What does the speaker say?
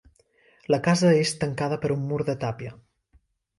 La casa és tancada per un mur de tàpia.